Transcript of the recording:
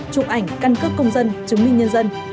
chụp ảnh căn cước công dân chứng minh nhân dân